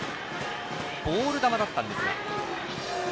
ボール球だったんですが。